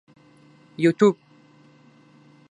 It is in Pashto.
یوټیوب